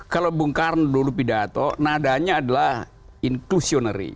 kalau bung karno dulu pidato nadanya adalah inclusionary